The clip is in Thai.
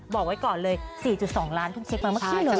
บอกไว้ก่อนเลย๔๒ล้านเพิ่งเช็คมาเมื่อกี้เลย